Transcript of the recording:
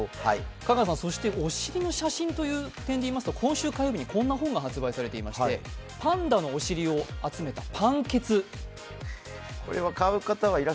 香川さん、そしてお尻の写真という点でいいますと、今週火曜日にこんな本が出ていまして、パンダのお尻を集めた「パンけつ」。